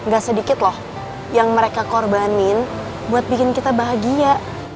gak sedikit loh yang mereka korbanin buat bikin kita bahagia